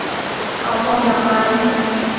เขามองอย่างไร